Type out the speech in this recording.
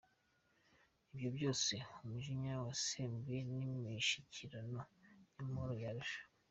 Ibyo byose umujinya wasembuwe n’imishyikirano y’Amahoro ya Arusha.